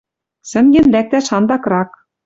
Сӹнген лӓктӓш андакрак.